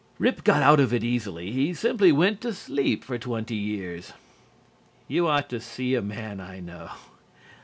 Rip got out of it easily. He simply went to sleep for twenty years. You ought to see a man I know.